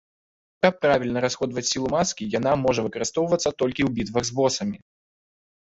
Каб правільна расходаваць сілу маскі, яна можа выкарыстоўвацца толькі ў бітвах з босамі.